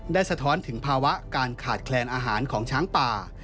สะท้อนถึงภาวะการขาดแคลนอาหารของช้างป่า